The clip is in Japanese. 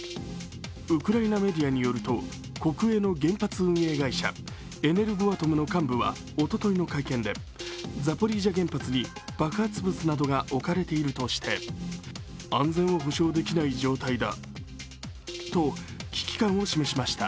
ウクライナメディアによると国営の原発運営会社、エネルゴアトムの幹部はおとといの会見で、ザポリージャ原発に爆発物などが置かれているとしてと危機感を示しました。